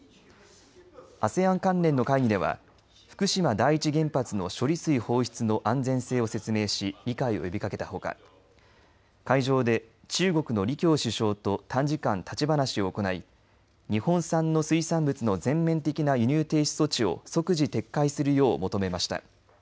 ＡＳＥＡＮ関連の会議では福島第一原発の処理水放出の安全性を説明し理解を呼びかけたほか会場で中国の李強首相と短時間立ち話を行い日本産の水産物の全面的な輸入停止措置を即時撤回するよう求めました。